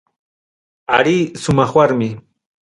Arí sumaq Warmi.